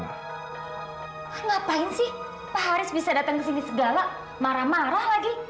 ah ngapain sih pak haris bisa datang ke sini segala marah marah lagi